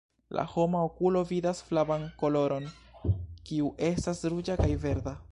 La homa okulo vidas flavan koloron, kiu estas ruĝa kaj verda.